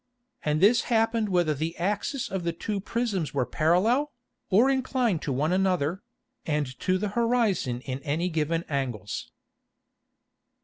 And this happened whether the Axis of the two Prisms were parallel, or inclined to one another, and to the Horizon in any given Angles.